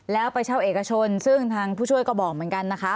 แล้วไปเช่าเอกชนซึ่งทางผู้ช่วยก็บอกเหมือนกันนะคะ